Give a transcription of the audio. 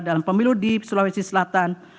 dalam pemilu di sulawesi selatan